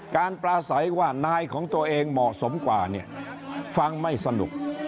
ปลาใสว่านายของตัวเองเหมาะสมกว่าเนี่ยฟังไม่สนุก